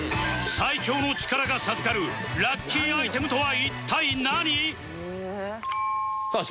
最強の力が授かるラッキーアイテムとは？